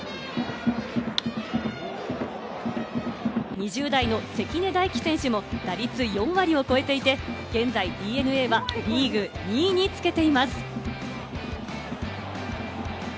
２０代の関根大気選手も打率４割を超えていて、現在ＤｅＮＡはリーグ２位につけています。